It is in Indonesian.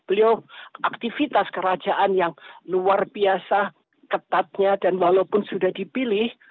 beliau aktivitas kerajaan yang luar biasa ketatnya dan walaupun sudah dipilih